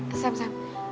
eh sam sam